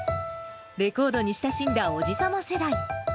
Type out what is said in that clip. レコードに親しんだおじ様世代。